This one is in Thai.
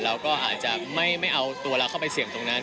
เราก็อาจจะไม่เอาตัวเราเข้าไปเสี่ยงตรงนั้น